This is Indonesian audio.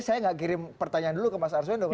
saya nggak kirim pertanyaan dulu ke mas arswendo